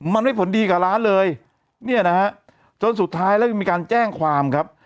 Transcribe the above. มันไม่ผลดีกับร้านเลยเนี่ยนะฮะจนสุดท้ายแล้วมีการแจ้งความครับ